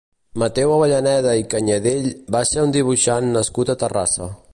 Mateu Avellaneda i Canyadell va ser un dibuixant nascut a Terrassa.